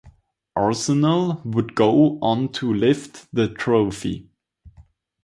Arsenal would go on to lift the trophy.